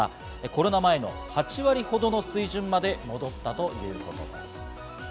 コロナ前の８割ほどの水準まで戻ったということです。